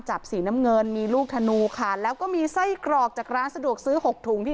จับสีน้ำเงินมีลูกธนูค่ะแล้วก็มีไส้กรอกจากร้านสะดวกซื้อหกถุงที่